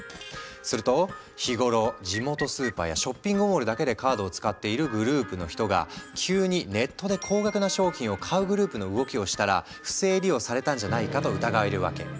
すると日頃地元スーパーやショッピングモールだけでカードを使っているグループの人が急にネットで高額な商品を買うグループの動きをしたら不正利用されたんじゃないかと疑えるわけ。